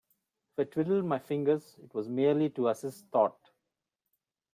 If I twiddled my fingers, it was merely to assist thought.